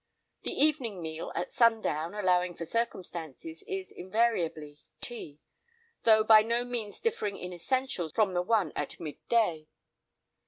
The evening meal at sundown, allowing for circumstances, is invariably "tea," though by no means differing in essentials from the one at mid day.